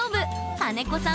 金子さん